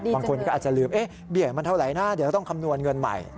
บางคนก็อาจจะลืมเบี้ยมันเท่าไหร่นะเดี๋ยวต้องคำนวณเงินใหม่